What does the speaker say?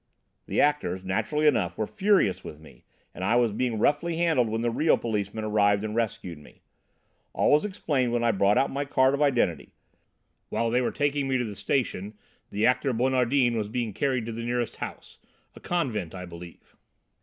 "The actors, naturally enough, were furious with me, and I was being roughly handled when the real policemen arrived and rescued me. All was explained when I brought out my card of identity. While they were taking me to the station, the actor Bonardin was being carried to the nearest house, a convent, I believe."